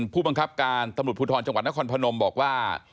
ผู้บังคับการตำรวจภูทรจังหวัดนครพนมบอกว่า